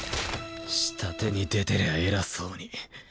下手に出てりゃ偉そうに。